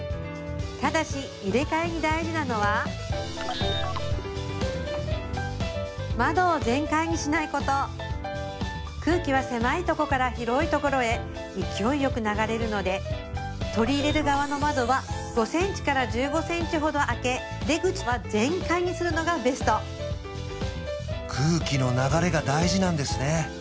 ただし入れ替えに大事なのは窓を全開にしないこと空気は狭いところから広いところへ勢いよく流れるので取り入れる側の窓は５ｃｍから１５ｃｍほど開け出口は全開にするのがベスト空気の流れが大事なんですね